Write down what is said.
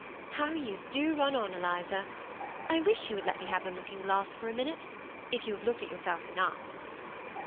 " How you do run on, Eliza ! I wish you would let me have the looking glass for one minute, if you have looked at yourself enough."